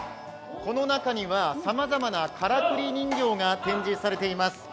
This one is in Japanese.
この中にはさまざまなからくり人形が展示されています。